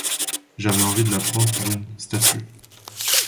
J'avais envie de la prendre pour une statue.